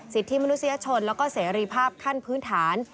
สิทธิมนุษยชนแล้วก็เสรีภาพขั้นพื้นฐาน